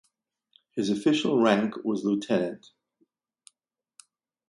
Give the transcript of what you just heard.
His official rank was lieutenant.